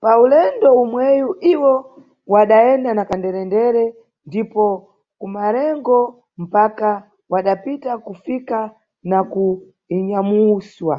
Pa ulendo umweyu iwo wadayenda na kanderendere ndipo "kuMarengo" mpaka wadapita kufika na ku "Inyamuswa".